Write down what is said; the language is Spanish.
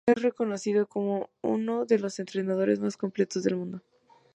Es reconocido como uno de los entrenadores más completos del mundo.